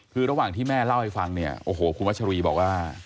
คือระหว่างที่แม่เล่าให้ฟังเนี่ยโอ้โหคุณวัชรีบอกว่า